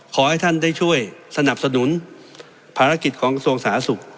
ขอให้ท่านได้ช่วยสนับสนุนภารกิจของกระทรวงสาธารณสุข